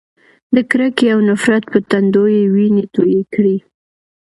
د کرکې او نفرت په تندو یې وینې تویې کړې.